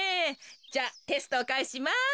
じゃあテストをかえします。